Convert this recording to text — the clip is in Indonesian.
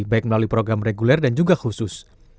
baik melalui program reguler dan juga khusus